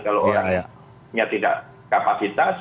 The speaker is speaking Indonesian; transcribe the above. kalau orangnya tidak kapasitas